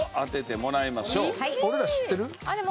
俺ら知ってる？